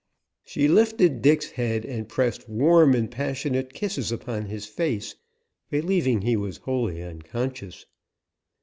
She lifted Dick's head and pressed warm and passionate kisses upon his face, believing he was wholly unconscious.